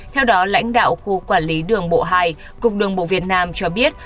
theo đó lãnh đạo khu quản lý đường bộ hai cục đường bộ việt nam cho biết